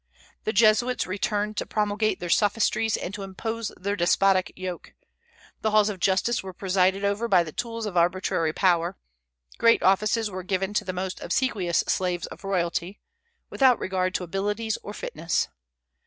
The Jesuits returned to promulgate their sophistries and to impose their despotic yoke; the halls of justice were presided over by the tools of arbitrary power; great offices were given to the most obsequious slaves of royalty, without regard to abilities or fitness.